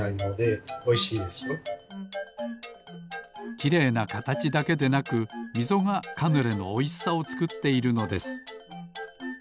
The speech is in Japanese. きれいなかたちだけでなくみぞがカヌレのおいしさをつくっているのです